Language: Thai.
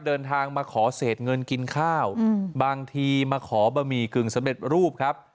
เดินทางมาขอเศษเงินกินข้าวบางทีมาขอบะหมี่กึ่งสำเร็จรูปครับ